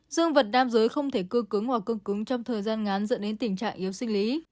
dương vật nam giới không thể cương cứng hoặc cương cứng trong thời gian ngán dẫn đến tình trạng yếu sinh lý